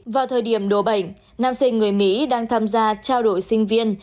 vào thời điểm đồ bệnh nam sinh người mỹ đang tham gia trao đổi sinh viên